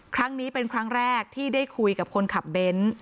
ครั้งนี้เป็นครั้งแรกที่ได้คุยกับคนขับเบนท์